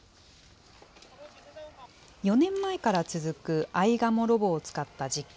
４年前から続くアイガモロボを使った実験。